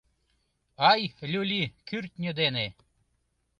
Ай, люли, кӱртньӧ дене.